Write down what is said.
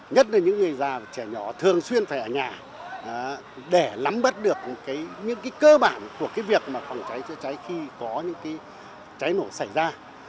nhất là những người già và trẻ nhỏ thường xuyên phải ở nhà để lắm bất được những cơ bản của cái việc phòng cháy chữa cháy khi có những cháy nổ xảy ra